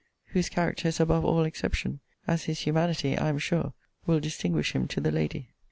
whose character is above all exception, as his humanity, I am sure, will distinguish him to the lady.